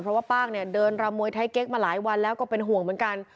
เพราะว่าป้างเนี่ยเดินรำมวยไทยเก๊กมาหลายวันแล้วก็เป็นห่วงเหมือนกัน